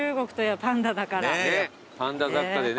パンダ雑貨でね。